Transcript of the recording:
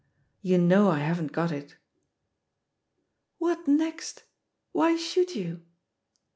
You know I haven't got it?" "What next? Why should you?"